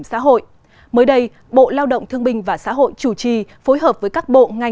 xin chào các bạn